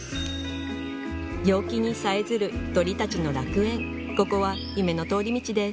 陽気にさえずる鳥たちの楽園ここは夢の通り道です